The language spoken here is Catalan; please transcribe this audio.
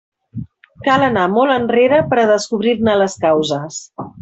Cal anar molt enrere per a descobrir-ne les causes.